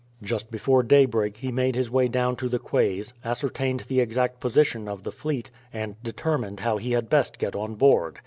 Just before daybreak he made his way down to the quays, ascertained the exact position of the fleet, and determined how he had best get on board.